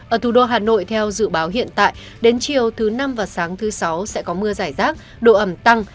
ở thủ đô hà nội theo dự báo hiện tại đến chiều thứ năm và sáng thứ sáu sẽ có mưa giải rác độ ẩm tăng